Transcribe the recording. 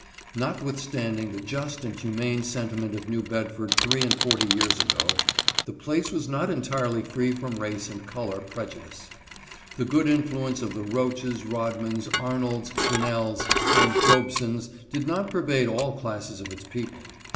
Notwithstanding the just and humane sentiment of New Bedford three and forty years ago, the place was not entirely free from race and color prejudice. The good influence of the Roaches, Rodmans, Arnolds, Grinnells, and Robesons did not pervade all classes of its people.